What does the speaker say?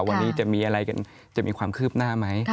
วันนี้จะมีอะไรกันจะมีความคืบหน้าไหม